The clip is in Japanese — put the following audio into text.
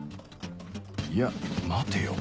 いや待てよ